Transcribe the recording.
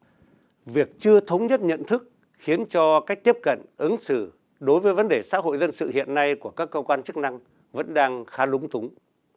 vì vậy việc chưa thống nhất nhận thức khiến cho cách tiếp cận ứng xử đối với vấn đề xã hội dân sự hiện nay của các cơ quan chức năng vẫn đang khá lúng túng